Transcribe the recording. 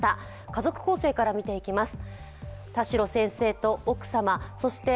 家族構成から見ていきます。